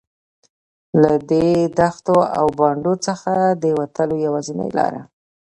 له دې دښتو او بانډو څخه د وتلو یوازینۍ لاره.